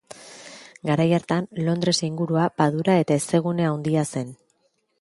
Garai hartan Londres ingurua padura eta hezegune handia zen.